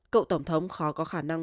cậu tổng thống khó có khả năng